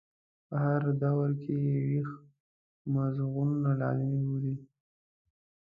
په هر دور کې یې ویښ مغزونه لازم بولي.